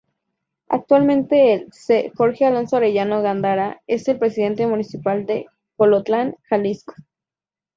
Actualmente el C. Jorge Alonso Arellano Gándara es el Presidente Municipal de Colotlán, Jalisco.